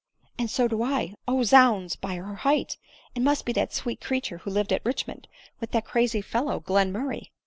" And so do I. O zounds ! by her height, it must be that sweet creature who lived at Richmond with that crazy fellow, Glenmurray."